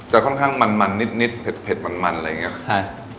จะค่อนข้างมันสูงเผ็ดอะไรแบบนี้